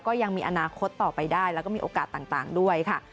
ก็ยังมีอนาคตต่อไปได้แล้วก็มีโอกาสต่างด้วยค่ะ